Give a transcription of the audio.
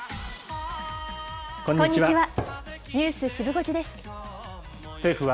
こんにちは。